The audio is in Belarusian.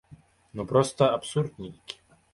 Ну, проста абсурд нейкі.